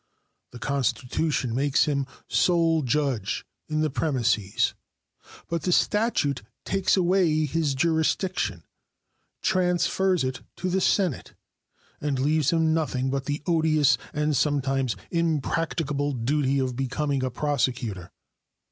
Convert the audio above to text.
The Constitution makes him sole judge in the premises, but the statute takes away his jurisdiction, transfers it to the Senate, and leaves him nothing but the odious and sometimes impracticable duty of becoming a prosecutor.